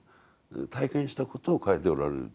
体験したことを書いておられる。